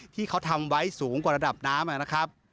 ที่เขาทำไว้สูงกว่าระดับน้ำนะครับ